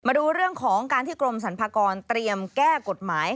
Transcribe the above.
มาดูเรื่องของการที่กรมสรรพากรเตรียมแก้กฎหมาย